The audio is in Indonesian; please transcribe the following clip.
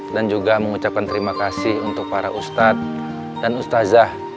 dan juga mengucapkan terima kasih untuk para ustadz dan ustadzah